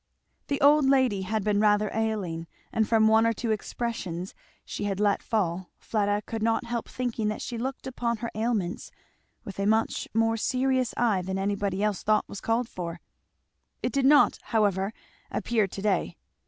The old lady had been rather ailing, and from one or two expressions she had let fall Fleda could not help thinking that she looked upon her ailments with a much more serious eye than anybody else thought was called for. It did not, however, appear to day.